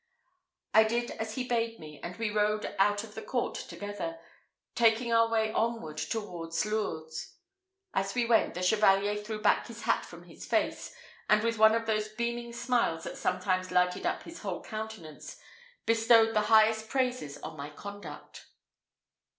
I did as he bade me, and we rode out of the court together, taking our way onward towards Lourdes. As we went, the Chevalier threw back his hat from his face, and with one of those beaming smiles that sometimes lighted up his whole countenance, bestowed the highest praises on my conduct.